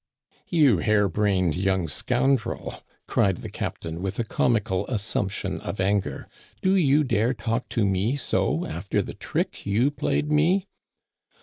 ^"" You hair brained young scoundrel," cried the cap tain with a comical assumption of anger, " do you dare talk to me so after the trick you played me